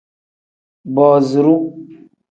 Booziru.